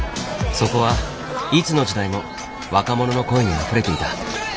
そこはいつの時代も若者の声にあふれていた。